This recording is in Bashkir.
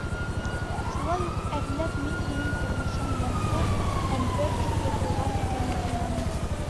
Шулай уҡ әҙләп мин һинең тормошоң моңһоу һәм бер төрлө булған икәнен аңланым.